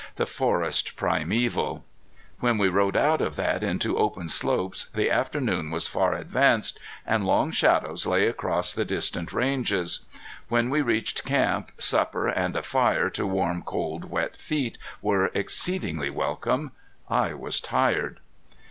The forest primeval! When we rode out of that into open slopes the afternoon was far advanced, and long shadows lay across the distant ranges. When we reached camp, supper and a fire to warm cold wet feet were exceedingly welcome. I was tired.